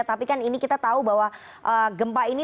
tapi kan ini kita tahu bahwa gempa ini